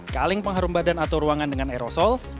kaleng pengharum badan atau ruangan dengan aerosol